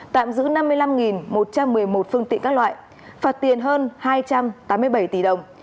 tạm giữ năm mươi năm một trăm một mươi một phương tiện các loại phạt tiền hơn hai trăm tám mươi bảy tỷ đồng